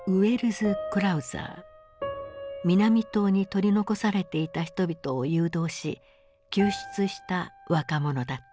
南棟に取り残されていた人々を誘導し救出した若者だった。